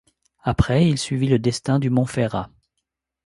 Après il suivit le destin du Montferrat.